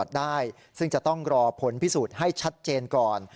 ได้ซึ่งจะต้องรอผลพิสูจน์ให้ชัดเจนก่อน